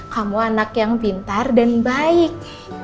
kamu anak yang pintar dan baik